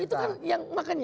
itu kan yang makanya